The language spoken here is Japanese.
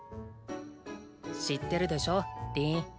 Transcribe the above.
知ってるでしょリーン。